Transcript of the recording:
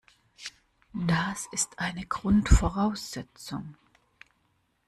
Das ist eine Grundvoraussetzung.